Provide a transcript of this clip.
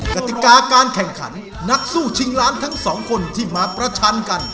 กติกาการแข่งขันนักสู้ชิงล้านทั้งสองคนที่มาประชันกัน